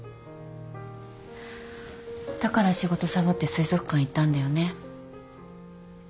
だから仕事サボって水族館行ったんだよね。